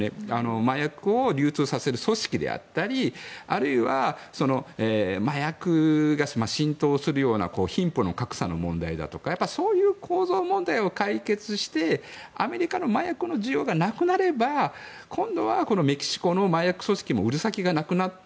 麻薬を流通させる組織であったりあるいは麻薬が浸透するような貧富の格差の問題だとかそういう構造問題を解決してアメリカの麻薬の需要がなくなれば今度はメキシコの麻薬組織も売る先がなくなって